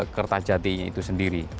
kertajatinya itu sendiri